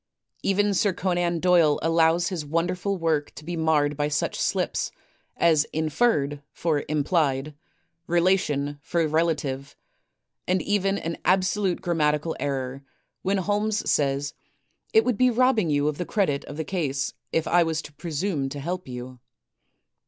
Even Sir Conan Doyle allows his wonderful work to be marred by such slips as inferred for implied; relation for relative; and even an absolute grammatical error, when Holmes says, "It would be robbing you of the credit of the case if I was to presume to help you."